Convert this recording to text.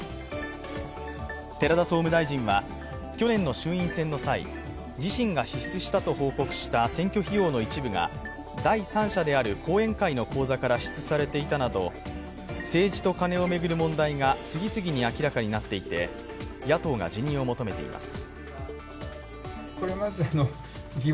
寺田総務大臣は去年の衆院選の際、自身が支出したと報告した選挙費用の一部が第三者である後援会の口座から支出されていたことなど政治とカネを巡る問題が次々に明らかになっていて、野党が辞任を求めています。